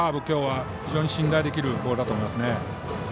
今日は信頼できるボールだと思います。